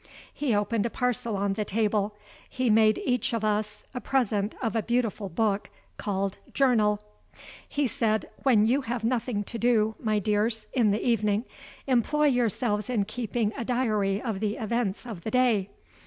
"He opened a parcel on the table. He made each of us a present of a beautiful book, called 'Journal.' He said: 'When you have nothing to do, my dears, in the evening, employ yourselves in keeping a diary of the events of the day.